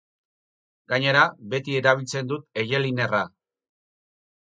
Gainera, beti erabiltzen dut eyelinerra.